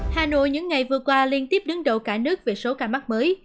hà nội những ngày vừa qua liên tiếp đứng đầu cả nước về số ca mắc mới